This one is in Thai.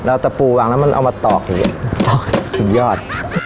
แล้วตะปูวางแล้วมันเอามาตอกเลยสุดยอด